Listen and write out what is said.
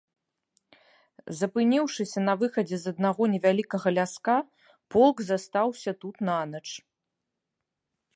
Запыніўшыся на выхадзе з аднаго невялікага ляска, полк застаўся тут нанач.